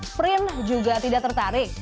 sprint juga tidak tertarik